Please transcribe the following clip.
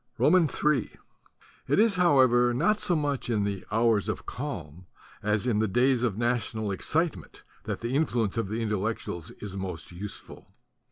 Ill IT is however not so much in the hours of calm as in the days of national excitement that the influence of the Intellectuals is most useful.